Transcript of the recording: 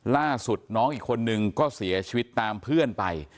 ล่าสุดน้องอีกคนนึงก็เสียชีวิตตามเพื่อนไป